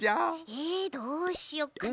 えどうしよっかな。